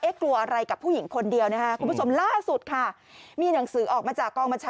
เอ๊ะกลัวอะไรกับผู้หญิงคนเดียวนะคะ